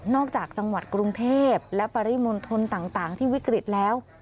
จากจังหวัดกรุงเทพและปริมณฑลต่างที่วิกฤตแล้ว